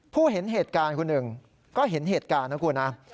เห็นเหตุการณ์คนหนึ่งก็เห็นเหตุการณ์นะคุณนะ